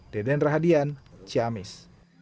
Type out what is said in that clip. deden rahadian ciamis